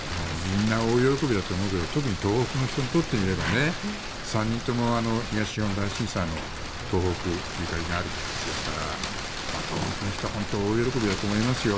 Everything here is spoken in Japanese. みんな大喜びだと思うけど特に東北の人たちにとっては３人とも東日本大震災の東北にゆかりのある人たちですから東北の人は本当に大喜びだと思いますよ。